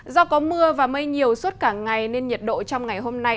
do có mưa và mây nhiều suốt cả ngày nên nhiệt độ trong ngày hôm nay